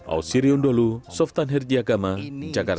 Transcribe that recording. ausirion dholu softan herdiagama jakarta